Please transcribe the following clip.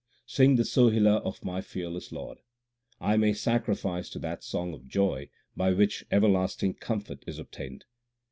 Sing the Sohila of my Fearless Lord ; I am a sacrifice to that song of joy by which everlasting comfort is obtained.